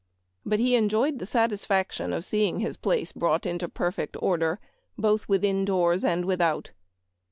But he enjoyed the satisfaction of seeing his place brought into perfect order " both within doors and without."